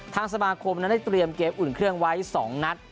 ทางสมาคมนั้นได้เตรียมเกมอุ่นเครื่องไว้๒นัด